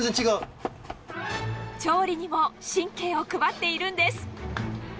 調理にも神経を配っているんです。